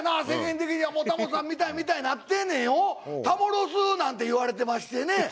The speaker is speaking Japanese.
世間的にはもうタモさん見たい見たいなってんねんよ。タモロスなんていわれてましてね。